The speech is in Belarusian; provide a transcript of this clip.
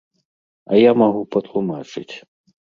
А я магу патлумачыць.